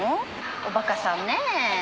おバカさんね。